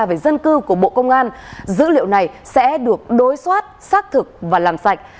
về dân cư của bộ công an dữ liệu này sẽ được đối soát xác thực và làm sạch